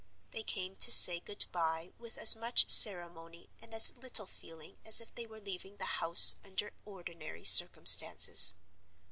They came to say good by with as much ceremony and as little feeling as if they were leaving the house under ordinary circumstances.